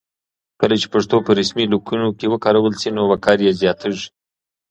کله چې پښتو ژبه په رسمي لیکونو کې وکارول شي نو وقار یې زیاتېږي.